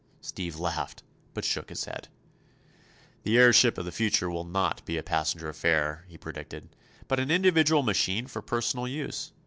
Steve laughed, but shook his head. "The airship of the future will not be a passenger affair," he predicted, "but an individual machine for personal use.